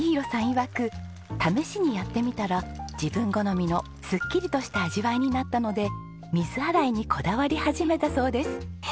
いわく試しにやってみたら自分好みのすっきりとした味わいになったので水洗いにこだわり始めたそうです。